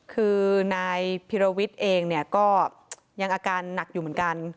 คือนายพิรวิทย์เองเนี่ยก็ยังอาการหนักอยู่เหมือนกัน